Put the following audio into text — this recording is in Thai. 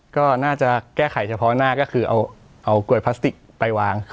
ก็น่าจะแก้ไขเฉพาะหน้าก็คือเอากลวยพลาสติกไปวาง